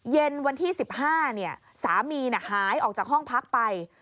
เย็นวันที่๑๕สามีหายออกจากห้องพักไป